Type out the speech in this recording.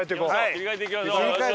切り替えていきましょう。